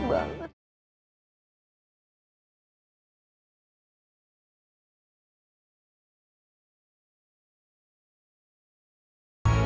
wah la spendi